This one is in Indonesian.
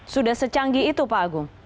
sudah secanggih itu pak agung